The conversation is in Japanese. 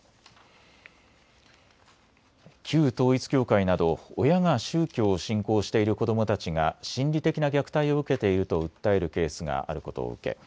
旧統一教会など親が宗教を信仰している子どもたちが心理的な虐待を受けていると訴えるケースがあることを受け